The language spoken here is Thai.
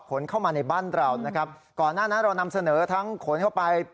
ขนเข้ามาในบ้านเรานะครับก่อนหน้านั้นเรานำเสนอทั้งขนเข้าไป